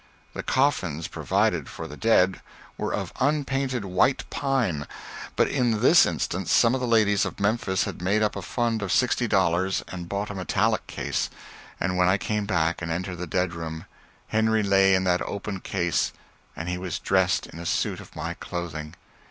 The coffins provided for the dead were of unpainted white pine, but in this instance some of the ladies of Memphis had made up a fund of sixty dollars and bought a metallic case, and when I came back and entered the dead room Henry lay in that open case, and he was dressed in a suit of my clothing.